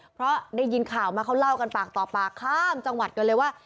เพราะได้ยินข่าวมาเขาเล่ากันปากต่อปากข้ามจังหวัดกันเลยว่า